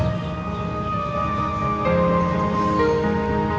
apapun yang terjadi